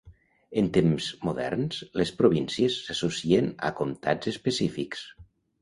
En temps moderns, les províncies s'associen a comtats específics.